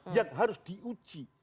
yang harus diuji